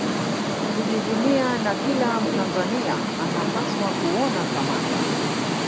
kujivunia na kila Mtanzania anapaswa kuona thamani